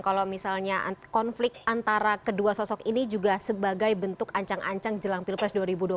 kalau misalnya konflik antara kedua sosok ini juga sebagai bentuk ancang ancang jelang pilpres dua ribu dua puluh